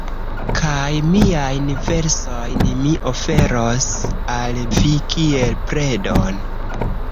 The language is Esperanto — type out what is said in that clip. Kaj miajn versojn mi oferos al vi kiel predon.